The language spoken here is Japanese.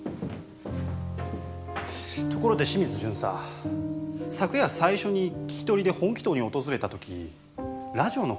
ところで清水巡査昨夜最初に聞き取りで本鬼頭に訪れた時ラジオの声は聞こえていましたか？